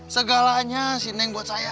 segalanya si neng buat saya